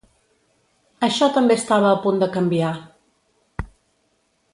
Això també estava a punt de canviar.